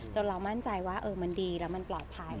เรามั่นใจว่ามันดีแล้วมันปลอดภัย